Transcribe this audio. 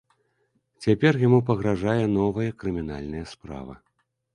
Цяпер яму пагражае новая крымінальная справа.